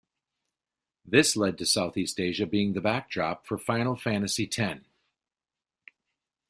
This led to Southeast Asia being the backdrop for "Final Fantasy X".